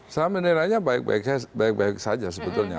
saya menilainya baik baik saja sebetulnya